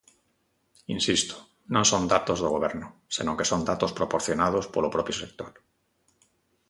Insisto, non son datos do Goberno, senón que son datos proporcionados polo propio sector.